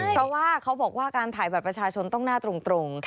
เพราะว่าเขาบอกว่าการถ่ายบัตรประชาชนต้องหน้าตรง